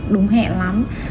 đúng hẹn lắm